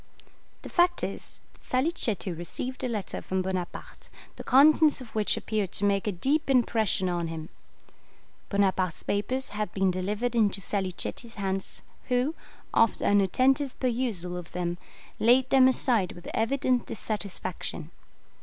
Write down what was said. The fact is, that Salicetti received a letter from Bonaparte, the contents of which appeared to make a deep impression on him. Bonaparte's papers had been delivered into Salicetti's hands, who, after an attentive perusal of them, laid them aside with evident dissatisfaction.